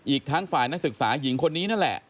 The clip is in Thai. อีกทั้งฝ่ายนักศึกษาหญิงคนนี้นั่นแหละ